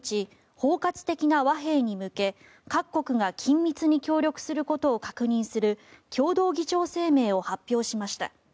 包括的な和平に向け各国が緊密に協力することを確認する共同議長声明を発表しました。